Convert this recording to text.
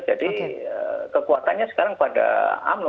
jadi kekuatannya sekarang pada umno